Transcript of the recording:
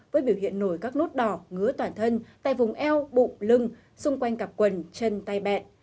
với biểu hiện nổi các lốt đỏ ngứa toàn thân tại vùng eo bụng lưng xung quanh cặp quần chân tay bẹn